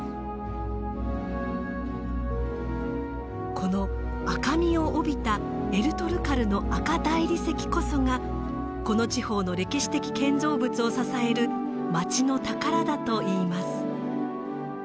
この赤みを帯びたエルトルカルの赤大理石こそがこの地方の歴史的建造物を支える町の宝だといいます。